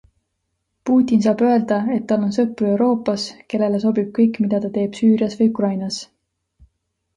Putin saab öelda, et tal on sõpru Euroopas, kellele sobib kõik, mida ta teeb Süürias või Ukrainas.